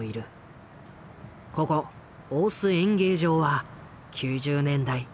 ここ大須演芸場は９０年代